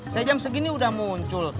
saya jam segini udah muncul